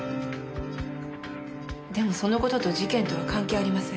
でもその事と事件とは関係ありません。